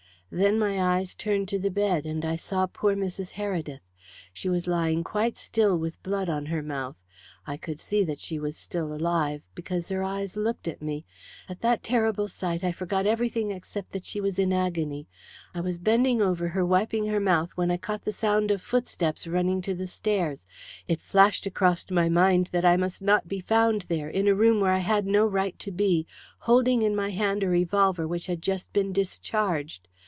Then my eyes turned to the bed, and I saw poor Mrs. Heredith. She was lying quite still with blood on her mouth. I could see that she was still alive, because her eyes looked at me. At that terrible sight I forgot everything except that she was in agony. I was bending over her wiping her mouth when I caught the sound of footsteps running up the stairs. It flashed across my mind that I must not be found there, in a room where I had no right to be, holding in my hand a revolver which had just been discharged.